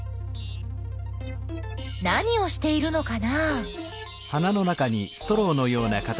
何をしているのかな？